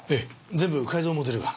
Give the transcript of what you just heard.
全部改造モデルガン。